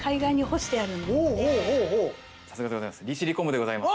さすがでございます。